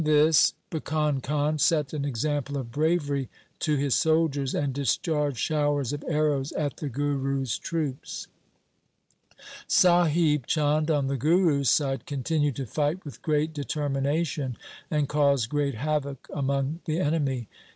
LIFE OF GURU GOBIND SINGH 41 Bhikan Khan set an example of bravery to his soldiers, and discharged showers of arrows at the Guru's troops. Sahib Chand, on the Guru's side, continued to fight with great determination, and caused great havoc among the enemy.